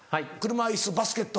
車いすバスケット。